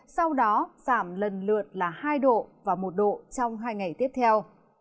sau đó giảm lần lượt là hai độ và một độ trong hai ngày tiếp theo